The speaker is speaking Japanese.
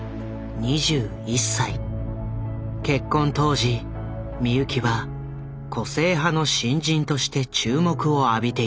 結婚当時美由紀は個性派の新人として注目を浴びていた。